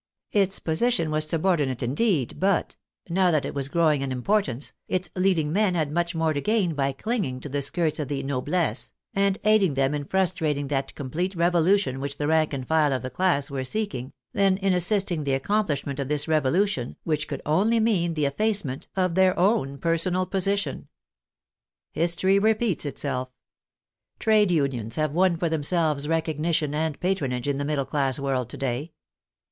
Its position was subordinate indeed, but, now that it was growing in importance, its leading men had much more to gain by clinging to the skirts of the noblesse, and aiding them in frustrating that complete revolution which the rank and file of the class were seek ing, than in assisting the accomplishment of this revolu tion, which could only mean the effacement of their own THE BASTILLE 19 personal position. History repeats itself. Trade unions have won for themselves recognition and patronage in the middle class world to day.